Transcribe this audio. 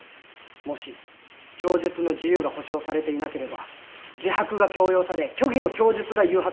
もし供述の自由が保障されていなければ自白が強要され虚偽の供述が誘発されるのです。